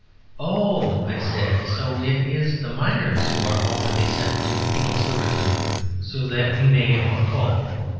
"Oh," I said, "so it is the miners who are all to be sent to penal servitude, so that we may get more coal.